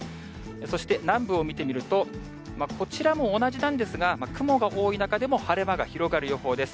そして、南部を見てみると、こちらも同じなんですが、雲が多い中でも晴れ間が広がる予報です。